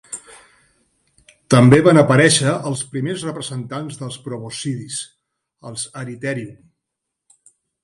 També van aparèixer els primers representants dels proboscidis, els "Eritherium".